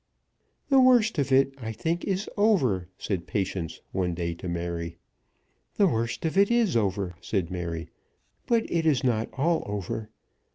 "The worst of it, I think, is over," said Patience one day to Mary. "The worst of it is over," said Mary; "but it is not all over.